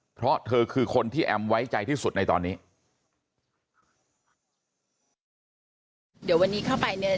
เพราะเธอคือคนที่แอมไว้ใจที่สุดในตอนนี้